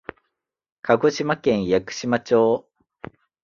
鹿児島県屋久島町